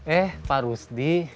eh pak rusdi